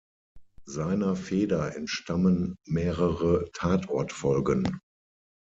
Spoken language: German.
Seiner Feder entstammen mehrere Tatort-Folgen.